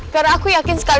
karena aku yakin sekali